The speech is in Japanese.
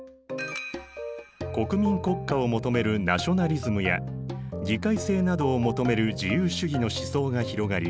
国民国家を求めるナショナリズムや議会制などを求める自由主義の思想が広がり